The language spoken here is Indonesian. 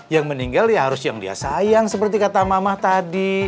yang meninggal ya harus yang dia sayang seperti kata mama tadi